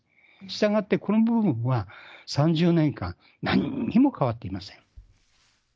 したがって、この部分は、３０年間、なんにも変わっていません。